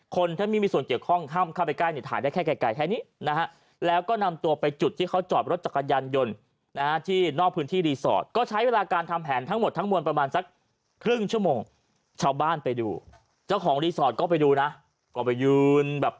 คนถ้ามีส่วนเจียบข้องห้ามเข้าไปใกล้ถ่ายได้แค่ไกลแค่นี้นะฮะ